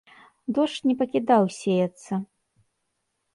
Дождж не пакідаў сеяцца.